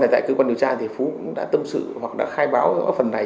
tại cơ quan điều tra thì phú cũng đã tâm sự hoặc đã khai báo phần này